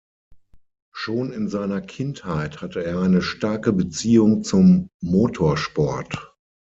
Schon in seiner Kindheit hatte er eine starke Beziehung zum Motorsport.